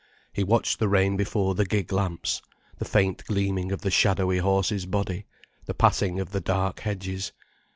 He watched the rain before the gig lamps, the faint gleaming of the shadowy horse's body, the passing of the dark hedges.